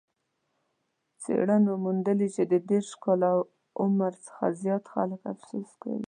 څېړنو موندلې چې د دېرش کاله عمر څخه زیات خلک افسوس کوي.